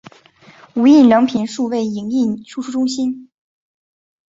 无印良品数位影印输出中心